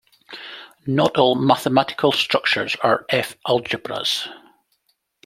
Not all mathematical structures are F-algebras.